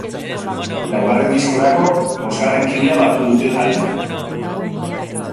Laugarren diskorako, bosgarren kidea batu dute taldera.